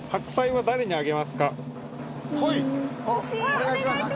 お願いします！